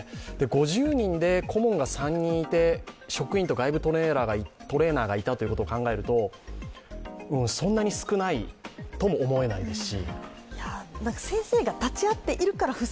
５０人で顧問が３人いて、職員と外部トレーナーがいたと考えると、そんなに少ないとも思えないですし。